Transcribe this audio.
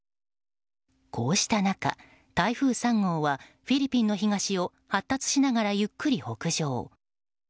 こうした中、台風３号はフィリピンの東を発達しながらゆっくり北上。